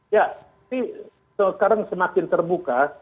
ya sekarang semakin terbuka